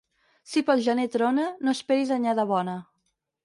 Si pel gener trona, no esperis anyada bona.